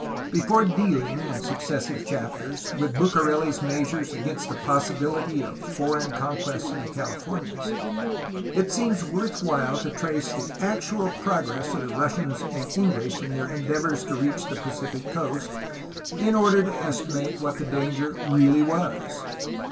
Before dealing (in succeeding chapters) with Bucareli's measures against the possibility of foreign conquests in the Calif ornias, it seems worth while to trace the actual progress of the Russians and English in their endeavors to reach the Pacific coast, in order to estimate what the danger really was.